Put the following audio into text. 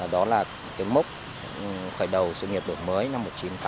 đó là cái mốc khởi đầu sự nghiệp đổi mới năm một nghìn chín trăm tám mươi